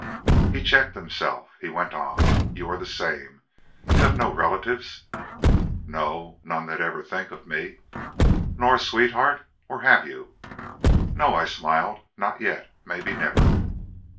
He checked himself. He went on, "You are the same. You have no relatives?" "No. None that ever think of me." "Nor a sweetheart. Or have you?" "No," I smiled. "Not yet. Maybe never."